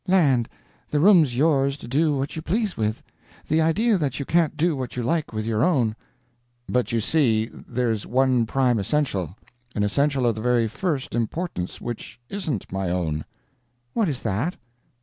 Land, the room's yours to do what you please with! The idea that you can't do what you like with your own!" "But, you see, there's one prime essential an essential of the very first importance which isn't my own." "What is that?"